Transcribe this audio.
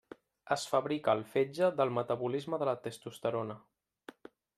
Es fabrica al fetge del metabolisme de la testosterona.